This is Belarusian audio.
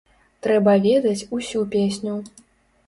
Трэба ведаць усю песню.